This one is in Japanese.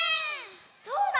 そうだ！